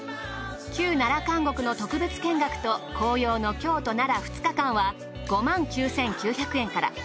旧奈良監獄の特別見学と紅葉の京都奈良２日間は５９，９００円から。